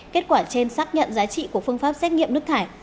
kết quả trên xác nhận giá trị của phương pháp xét nghiệm nước thải